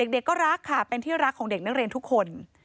เด็กก็รักค่ะเป็นที่รักของเด็กนักเรียนทุกคน